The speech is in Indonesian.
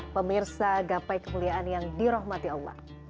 pemirsa gapai kemuliaan yang dirahmati allah